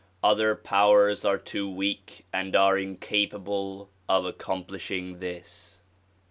Other powers are too weak and are incapable of accomplishing this.